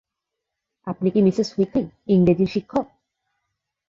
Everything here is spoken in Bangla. আপনি কি মিসেস হুইটনি, ইংরেজির শিক্ষক?